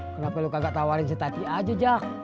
kenapa lo kagak tawarin si tati aja jak